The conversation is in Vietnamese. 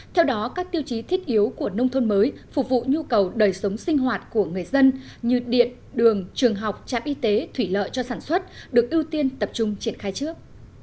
theo đó các tiêu chí thiết yếu của nông thôn mới phục vụ nhu cầu đời sống sinh hoạt của người dân như điện đường trường học trạm y tế thủy lợi cho sản xuất được ưu tiên tập trung triển khai trước